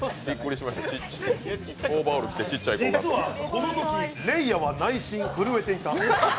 このとき、れいあは内心震えていた！